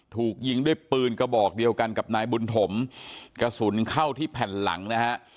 ถูกยิงด้วยปืนกระบอกเดียวกันกับนายบุญถมกระสุนเข้าที่แผ่นหลังนะฮะ